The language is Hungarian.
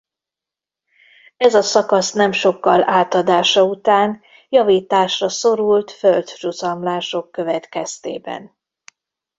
Ez a szakasz nem sokkal átadása után javításra szorult földcsuszamlások következtében.